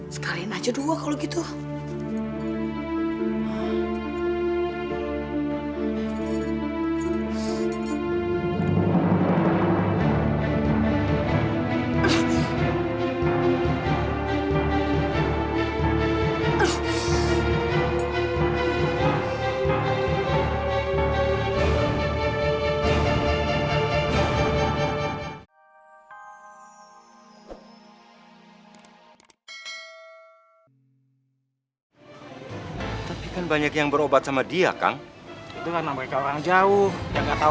sampai jumpa di video selanjutnya